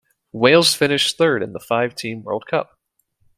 Wales finished third in the five-team World Cup.